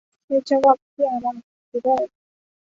সে জবাব কি আমার দিবার?